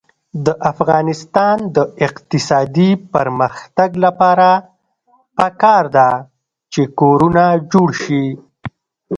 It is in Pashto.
د افغانستان د اقتصادي پرمختګ لپاره پکار ده چې کورونه جوړ شي.